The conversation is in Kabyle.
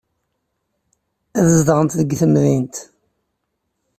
Ad zedɣent deg temdint.